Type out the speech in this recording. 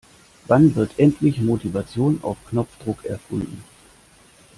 Wann wird endlich Motivation auf Knopfdruck erfunden?